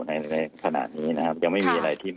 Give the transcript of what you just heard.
ในขณะนี้นะครับยังไม่มีอะไรทิ้ม